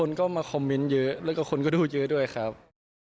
คนก็มาคอมเมนต์เยอะแล้วก็คนก็ดูเยอะด้วยครับ